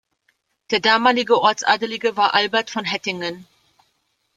Der damalige Ortsadelige war Albert von Hettingen.